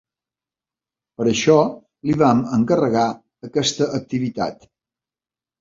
Per això li vam encarregar aquesta activitat.